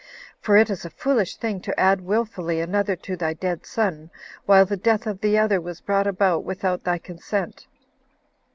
for it is a foolish thing to add willfully another to thy dead son, while the death of the other was brought about without thy consent."